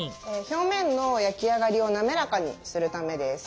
表面の焼き上がりを滑らかにするためです。